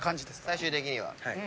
最終的には。